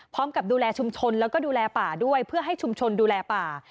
พร้อมกับดูแลชุมชนแล้วก็ดูแลป่าด้วยเพื่อให้ชุมชนดูแลป่า